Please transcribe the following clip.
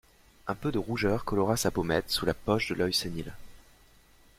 Un peu de rougeur colora sa pommette sous la poche de l'œil sénile.